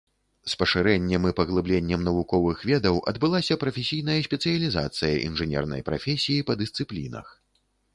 З пашырэннем і паглыбленнем навуковых ведаў адбылася прафесійная спецыялізацыя інжынернай прафесіі па дысцыплінах.